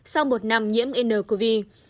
sau một năm nhiễm ncov